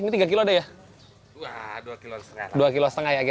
ini tiga kg ada ya